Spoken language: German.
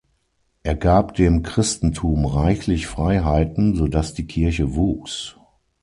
Er gab dem Christentum reichlich Freiheiten, so dass die Kirche wuchs.